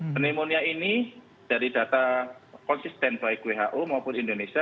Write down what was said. pneumonia ini dari data konsisten baik who maupun indonesia